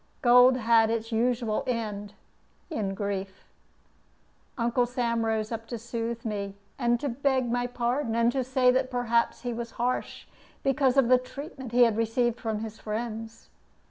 Gold had its usual end, in grief. Uncle Sam rose up to soothe me and to beg my pardon, and to say that perhaps he was harsh because of the treatment he had received from his friends.